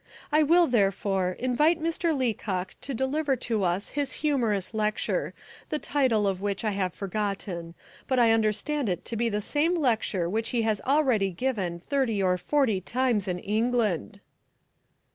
"I will, therefore, invite Mr. Leacock to deliver to us his humorous lecture, the title of which I have forgotten, but I understand it to be the same lecture which he has already given thirty or forty times in England."